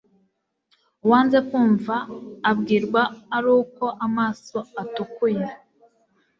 uwanze kwumva abwirwa ari uko amaso atukuye